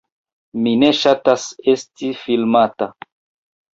Mi ne ŝatas esti filmata